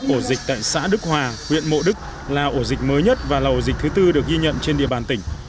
ổ dịch tại xã đức hòa huyện mộ đức là ổ dịch mới nhất và là ổ dịch thứ tư được ghi nhận trên địa bàn tỉnh